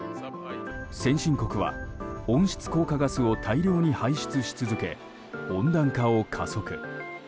先進国は温室効果ガスを大量に排出し続け温暖化を加速。